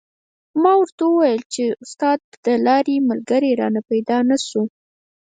ما ورته و ویل چې استاده د لارې ملګری رانه پیدا نه شو.